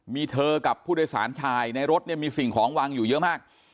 มีเธอกับผู้โดยสารชายในรถเนี่ยมีสิ่งของวางอยู่เยอะมาก